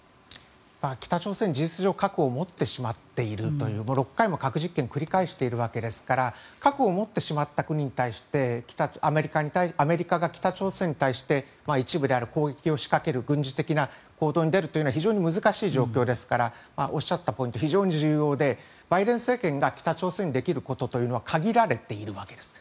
北朝鮮、事実上核を持ってしまっているという６回も核実験を繰り返しているわけですから核を持ってしまった国に対してアメリカが北朝鮮に対して一部であれ攻撃を仕掛ける軍事的な行動に出るというのは非常に難しい状況ですからおっしゃったポイント非常に重要で、バイデン政権が北朝鮮にできることというのは限られているわけです。